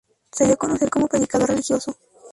Se dio a conocer como predicador religioso.